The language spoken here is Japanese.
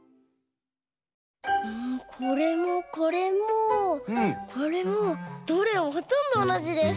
うんこれもこれもこれもどれもほとんどおなじです。